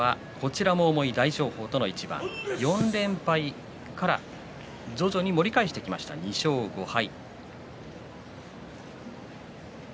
今日はこちらも重い大翔鵬との一番４連敗から徐々に盛り返してきました、２勝５敗。